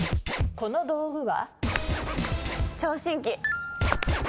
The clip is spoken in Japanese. この道具は？